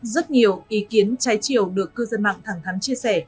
rất nhiều ý kiến trái chiều được cư dân mạng thẳng thắn chia sẻ